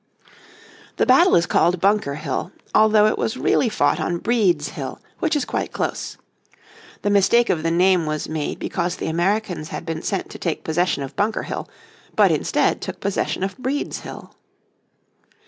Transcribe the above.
The battle is called Bunker Hill although it was really fought on Breed's Hill which is quite close. The mistake of the name was made because the Americans had been sent to take possession of Bunker Hill, but instead took possession of Breed's Hill.